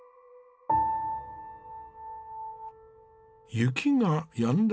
雪がやんだ